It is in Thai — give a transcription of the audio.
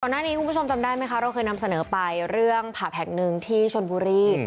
หน้านี้คุณผู้ชมจำได้ไหมคะเราเคยนำเสนอไปเรื่องผับแห่งหนึ่งที่ชนบุรี